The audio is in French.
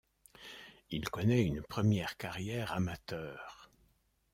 Il connait une première carrière amateure.